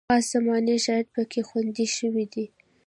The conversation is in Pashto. خاص زماني شرایط پکې خوندي شوي دي.